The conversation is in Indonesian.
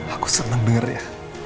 aku seneng denger ya